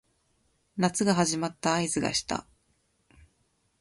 夏が始まった合図がした